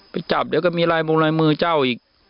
ไปจับเดี๋ยวก็มีลายมงลายมือเจ้าอีก